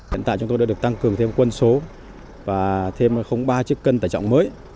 hiện tại chúng tôi đã được tăng cường thêm quân số và thêm ba chiếc cân tải trọng mới